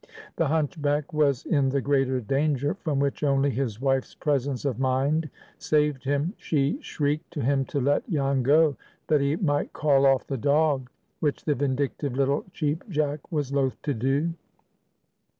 The hunchback was in the greater danger, from which only his wife's presence of mind saved him. She shrieked to him to let Jan go, that he might call off the dog, which the vindictive little Cheap Jack was loath to do.